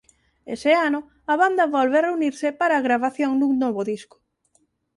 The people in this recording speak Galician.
Ese ano a banda volve a reunirse para a gravación dun novo disco.